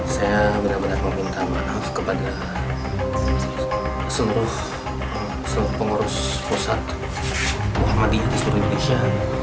saya benar benar meminta maaf kepada seluruh pengurus pusat muhammadiyah di seluruh indonesia